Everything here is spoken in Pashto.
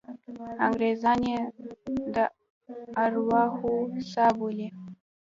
انګریزان یې د ارواحو څاه بولي.